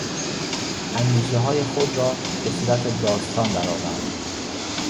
اندیشههای خود را به صورت داستان در آورد.